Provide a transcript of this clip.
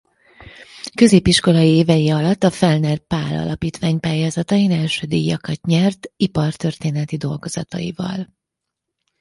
Középiskolai évei alatt a Fellner Pál Alapítvány pályázatain első díjakat nyert ipartörténeti dolgozataival.